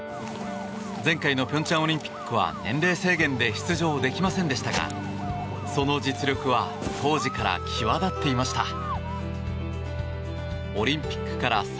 前回の平昌オリンピックは年齢制限で出場できませんでしたがその実力は当時から際立っていました。